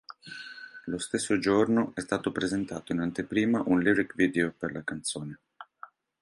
Lo stesso giorno, è stato presentato in anteprima un lyric video per la canzone.